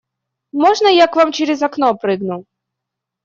Можно, я к вам через окно прыгну?